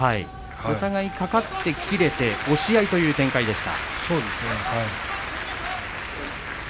互いにかかって切れて押し合いという展開でした。